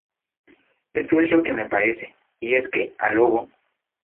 eso es lo que me parece. y es que, al lobo